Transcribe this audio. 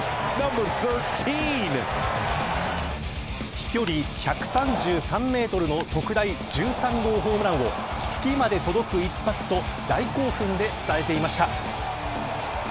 飛距離１３３メートルの特大１３号ホームランを月まで届く一発と大興奮で伝えていました。